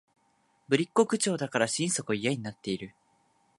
ぶりっ子口調だから心底嫌になっている